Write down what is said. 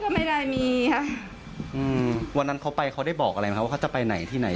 ไม่ได้มีค่ะอืมวันนั้นเขาไปเขาได้บอกอะไรไหมคะว่าเขาจะไปไหนที่ไหน